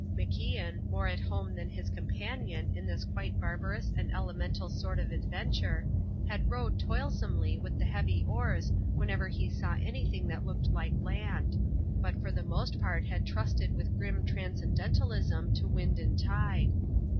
MacIan, more at home than his companion in this quite barbarous and elemental sort of adventure, had rowed toilsomely with the heavy oars whenever he saw anything that looked like land; but for the most part had trusted with grim transcendentalism to wind and tide.